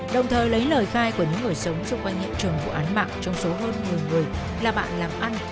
đồng thời lấy lời khai của những người sống xung quanh hiện trường vụ án mạng trong số hơn một mươi người là bạn làm ăn